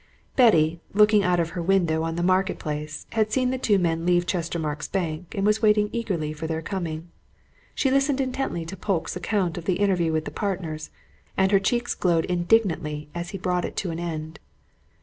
Betty, looking out of her window on the Market Place, had seen the two men leave Chestermarke's Bank, and was waiting eagerly for their coming. She listened intently to Polke's account of the interview with the partners, and her cheeks glowed indignantly as he brought it to an end.